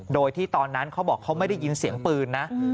โดยที่ตอนนั้นเขาบอกเขาไม่ได้ยินเสียงปืนนะ